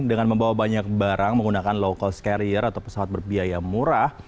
dengan membawa banyak barang menggunakan low cost carrier atau pesawat berbiaya murah